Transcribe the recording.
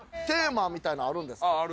テーマみたいのあるんですか？